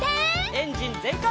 エンジンぜんかい！